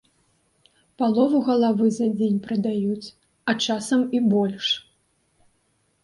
Палову галавы за дзень прадаюць, а часам і больш.